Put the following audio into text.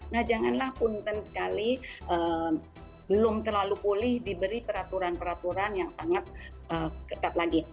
nah janganlah punten sekali belum terlalu pulih diberi peraturan peraturan yang sangat ketat lagi